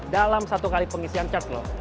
dalam satu kali pengisian cat loh